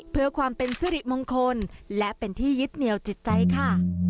เพื่อความเป็นสิริมงคลและเป็นที่ยึดเหนียวจิตใจค่ะ